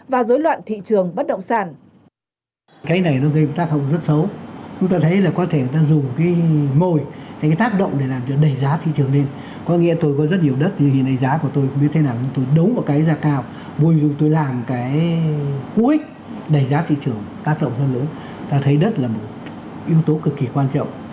và dối loạn thị trường bất động sản